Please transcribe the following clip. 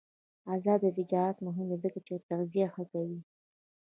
آزاد تجارت مهم دی ځکه چې تغذیه ښه کوي.